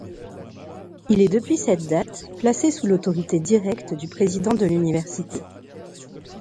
Il est depuis cette date, placé sous l'autorité directe du Président de l'Université.